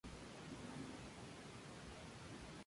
Durante este tiempo ella comenzó a trabajar en su tesis doctoral.